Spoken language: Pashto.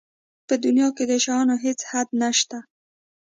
په دنیا کې د شیانو هېڅ حد نشته.